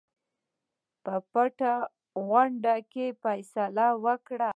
په پټه غونډه کې فیصله وکړه.